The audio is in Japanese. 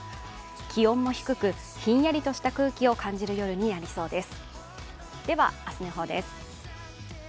気温も低くひんやりとした空気を感じる夜となりそうです。